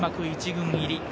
１軍入り。